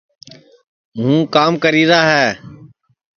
ہوں کام کریرا ہے